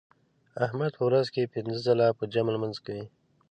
احمد په ورځ کې پینځه ځله په جمع لمونځ کوي.